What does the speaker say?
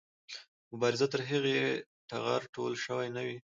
مبارزه تر هغې چې ټغر ټول شوی نه وي